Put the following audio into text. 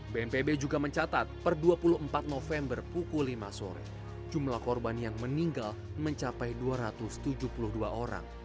bnpb juga mencatat per dua puluh empat november pukul lima sore jumlah korban yang meninggal mencapai dua ratus tujuh puluh dua orang